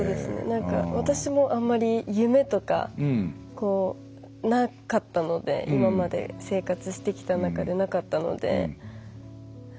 私もあんまり夢とかなかったので今まで生活してきた中でなかったので。